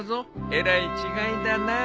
えらい違いだな。